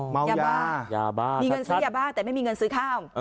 ยาบ้ายาบ้ามีเงินซื้อยาบ้าแต่ไม่มีเงินซื้อข้าว